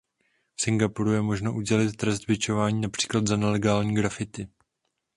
V Singapuru je možno udělit trest bičování například za nelegální graffiti.